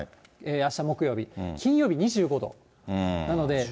あした木曜日、金曜日２５度。